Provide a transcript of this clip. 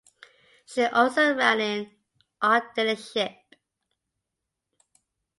She also ran an art dealership.